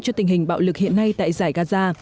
cho tình hình bạo lực hiện nay tại giải gaza